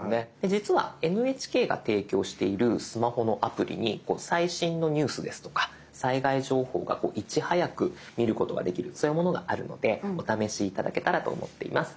実はＮＨＫが提供しているスマホのアプリに最新のニュースですとか災害情報がいち早く見ることができるそういうものがあるのでお試し頂けたらと思っています。